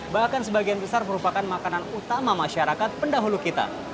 bahkan sebagian besar merupakan makanan utama masyarakat pendahulu kita